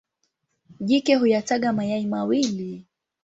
Jike huyataga mayai mawili.